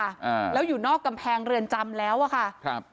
อ่าแล้วอยู่นอกกำแพงเรือนจำแล้วอ่ะค่ะครับ